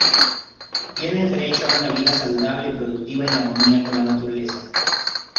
Tienen derecho a una vida saludable y productiva en armonía con la naturaleza.